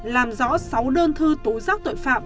làm rõ sáu đơn thư tối giác tội phạm